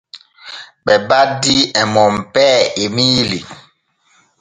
Ɓe baddii e Monpee Emiili.